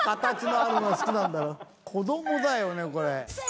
子どもだよねこれ。